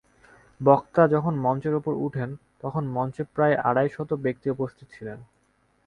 বক্তা যখন মঞ্চের উপর উঠেন, তখন মঞ্চে প্রায় আড়াই শত ব্যক্তি উপস্থিত ছিলেন।